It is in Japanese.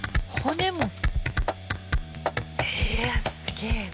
すげえな。